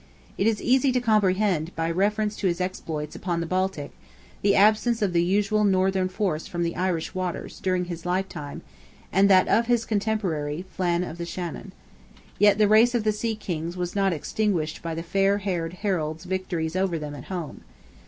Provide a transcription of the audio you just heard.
It is easy to comprehend, by reference to his exploits upon the Baltic, the absence of the usual northern force from the Irish waters, during his lifetime, and that of his cotemporary, Flan of the Shannon. Yet the race of the sea kings was not extinguished by the fair haired Harold's victories over them, at home.